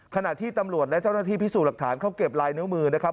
ขณะที่ตำรวจและเจ้าหน้าที่พิสูจน์หลักฐานเขาเก็บลายนิ้วมือนะครับ